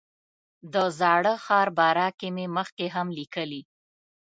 د زاړه ښار باره کې مې مخکې هم لیکلي.